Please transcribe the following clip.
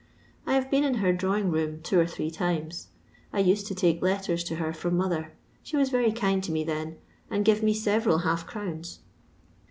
I have been in her draw ing room two or three times. I used to take letters to her from mother : she was Tery kind to me then, and give me several half crowns.